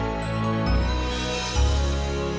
jangan lupa like share dan subscribe